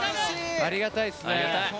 ありがたいですね。